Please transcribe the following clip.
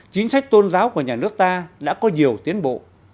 chính sách tôn giáo của nhà nước ta đã có nhiều tiến bộ